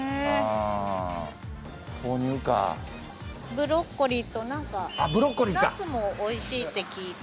ブロッコリーとなすもおいしいって聞いて。